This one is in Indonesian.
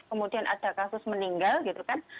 kemudian ada kasus meninggal gitu kan